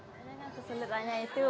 ada yang tersendiriannya itu